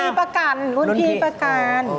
เป็นรุ่นพี่ประกันรุ่นพี่ประกัน